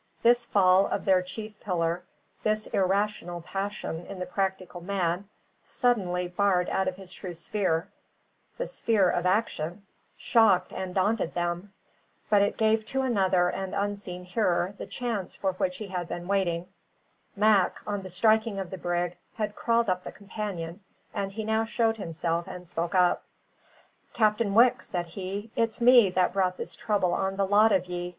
This fall of their chief pillar this irrational passion in the practical man, suddenly barred out of his true sphere, the sphere of action shocked and daunted them. But it gave to another and unseen hearer the chance for which he had been waiting. Mac, on the striking of the brig, had crawled up the companion, and he now showed himself and spoke up. "Captain Wicks," said he, "it's me that brought this trouble on the lot of ye.